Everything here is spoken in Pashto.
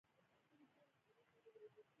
د عملي کېدو لارې چارې یې څه دي؟